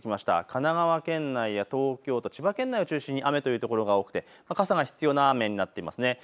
神奈川県内や東京都、千葉県内を中心に雨という所が多くて傘が必要な雨になってますね。